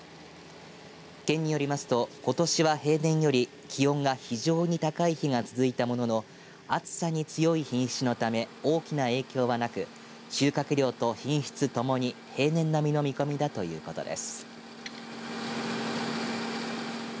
県によりますとことしは平年より気温が非常に高い日が続いたものの暑さに強い品種のため大きな影響はなく収穫量と品質ともに平年並みの見込みだということです。